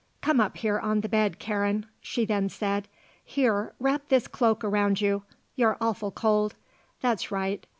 "Come up here, on the bed, Karen," she then said. "Here, wrap this cloak around you; you're awful cold. That's right.